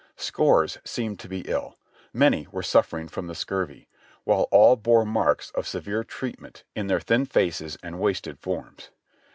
Scores seemed to be ill ; many were suffering from the scurvy, while all bore marks of severe treatment in their thin faces and wasted forms.